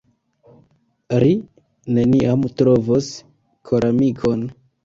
"Ri neniam trovos koramikon."